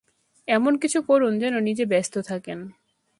এমন-কিছু করুন যেন নিজে ব্যস্ত থাকেন।